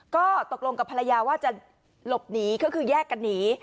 ก็ตกลงกับภรรยาว่าจะหลบหนีก็คือแยกกันหนี